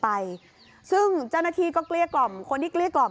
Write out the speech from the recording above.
พอหลังจากเกิดเหตุแล้วเจ้าหน้าที่ต้องไปพยายามเกลี้ยกล่อม